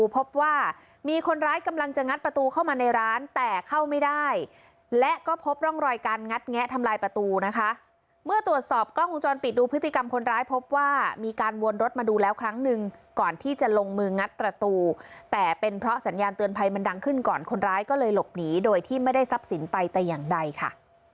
พบว่ามีการวนรถมาดูแล้วครั้งหนึ่งก่อนที่จะลงมืองัดประตูแต่เป็นเพราะสัญญาณเตือนภัยมันดังขึ้นก่อนคนร้ายก็เลยหลบหนีโดยที่ไม่ได้ทรัพย์สินไปแต่อย่างใดค่ะ